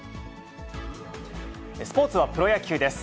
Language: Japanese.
スポーツはプロ野球です。